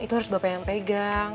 itu harus bapak yang pegang